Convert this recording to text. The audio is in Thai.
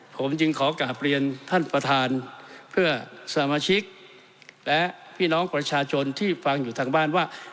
ผมจึงขอกลับเรียนท่านประธานเพื่อสมาชิกและพี่น้องประชาชนที่ฟังอยู่ทางบ้านว่า